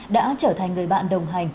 đã trở thành người bạn đồng hành